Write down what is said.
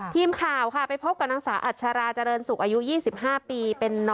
ทีมข่าวค่ะไปพบกับนางสาวอัชราเจริญสุขอายุ๒๕ปี